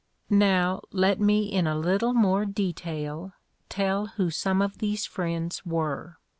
Now let me in a little more detail tell who some of these friends were.